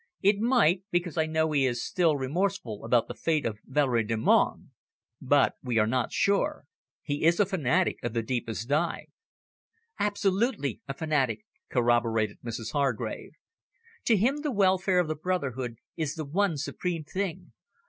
It might, because I know he is still remorseful about the fate of Valerie Delmonte. But we are not sure. He is a fanatic of the deepest dye." "Absolutely a fanatic," corroborated Mrs Hargrave. "To him the welfare of the brotherhood is the one supreme thing.